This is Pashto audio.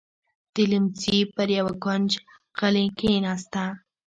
د ليمڅي پر يوه کونج غلې کېناسته.